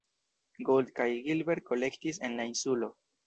Gould kaj Gilbert kolektis en la insulo.